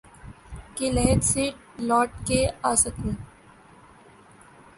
کہ لحد سے لوٹ کے آسکھوں